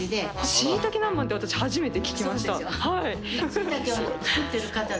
しいたけ南蛮って私初めて聞きました。